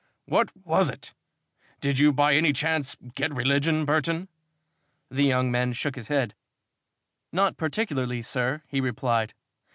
"What was it? Did you by any chance get religion, Burton?" The young man shook his head. "Not particularly, sir," he replied.